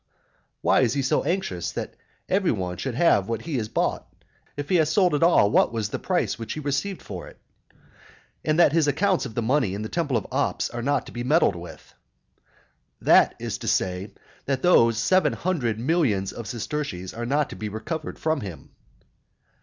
Why is he so anxious that every one should have what he has bought, if he who sold it all has the price which he received for it? "And that his accounts of the money in the temple of Ops are not to be meddled with." That is to say, that those seven hundred millions of sesterces are not to be recovered from him.